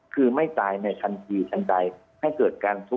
คือไม่ใจในทันทีทันใจ